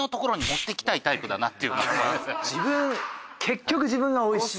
結局自分がおいしい。